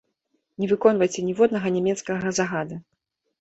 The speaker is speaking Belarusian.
Не выконвайце ніводнага нямецкага загада!